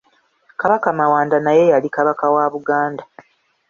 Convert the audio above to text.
Kabaka mawanda naye yali Kabaka wa Buganda